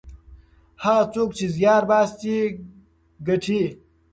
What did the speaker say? هغه څوک چې زیار باسي ګټي.